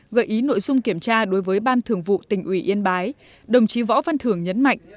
gợi ý nội dung kiểm tra đối với ban thường vụ tỉnh ủy yên bái đồng chí võ văn thường nhấn mạnh